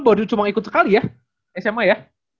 baru cuman ikut sekali ya sma ya